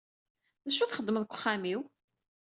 D acu txeddmeḍ deg uxxam-iw?